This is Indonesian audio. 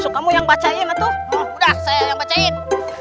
kamu yang bacain itu udah saya yang bacain